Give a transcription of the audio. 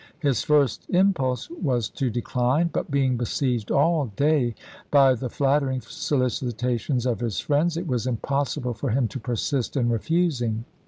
His first impulse was to decline ; but being besieged all day by the flattering solici tations of his friends, it was impossible for him to persist in refusing.